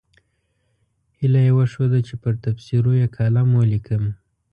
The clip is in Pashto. هیله یې وښوده چې پر تبصرو یې کالم ولیکم.